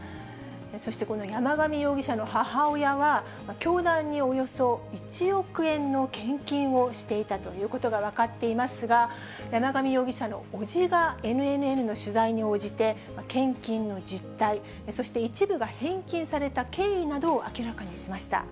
そしてこの山上容疑者の母親は、教団におよそ１億円の献金をしていたということが分かっていますが、山上容疑者の伯父がＮＮＮの取材に応じて、献金の実態、そして一部が返金された経緯などを明らかにしました。